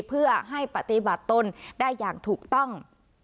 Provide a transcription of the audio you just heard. เพื่อให้ปฏิบัติตนได้อย่างถูกต้อง